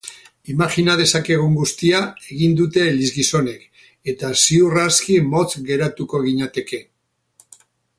Imajina dezakegun guztia egin dute elizgizonek, eta ziur aski motz geratuko ginateke.